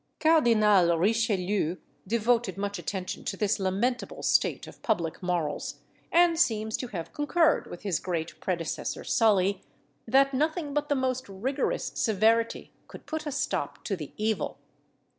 Cardinal Richelieu devoted much attention to this lamentable state of public morals, and seems to have concurred with his great predecessor Sully, that nothing but the most rigorous severity could put a stop to the evil.